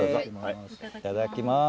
いただきます。